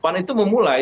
pan itu memulai